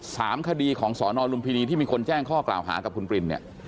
สามคดีของสอนอลุมพินีที่มีคนแจ้งข้อกล่าวหากับคุณปรินเนี่ย